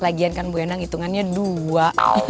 lagian kan bu endang hitungannya dua